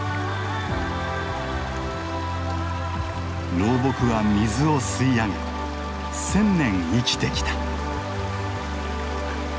老木は水を吸い上げ１，０００年生きてきた。